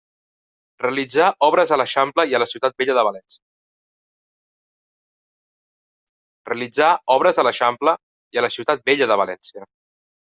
Realitzà obres a l'Eixample i a la Ciutat Vella de València.